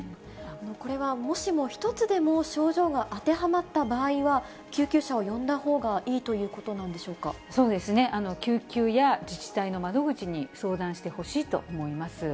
これはもしも１つでも症状が当てはまった場合は、救急車を呼んだほうがいいということなんでそうですね、救急や自治体の窓口に相談してほしいと思います。